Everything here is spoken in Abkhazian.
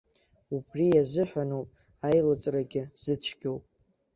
Убри азыҳәаноуп аилыҵрагьы зыцәгьоу.